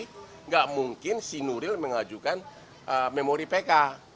tidak mungkin si nuril mengajukan memori pk